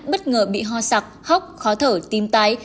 bất ngờ bị ho sặc hóc khó thở tim tái